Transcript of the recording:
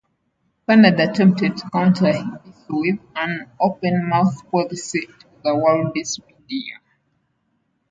Canada attempted to counter this with an "open mouth policy" to the world's media.